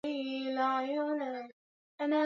imefungwa saa kumi ya maili kwa saa